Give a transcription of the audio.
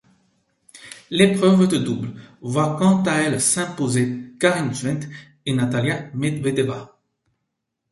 L'épreuve de double voit quant à elle s'imposer Karin Kschwendt et Natalia Medvedeva.